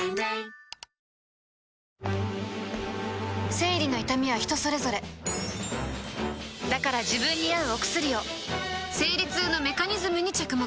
生理の痛みは人それぞれだから自分に合うお薬を生理痛のメカニズムに着目